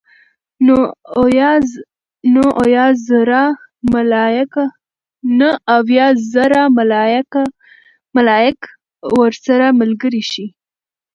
نو اويا زره ملائک ورسره ملګري شي